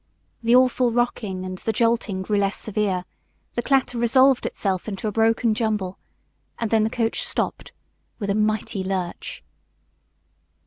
The awful rocking and the jolting grew less severe, the clatter resolved itself into a broken rumble, and then the coach stopped with a mighty lurch.